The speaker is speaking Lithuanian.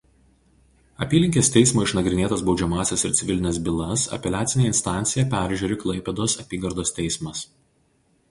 Apylinkės teismo išnagrinėtas baudžiamąsias ir civilines bylas apeliacine instancija peržiūri Klaipėdos apygardos teismas.